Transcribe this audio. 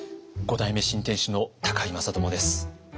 五代目新店主の高井正智です。